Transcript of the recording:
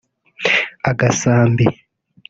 Agasambi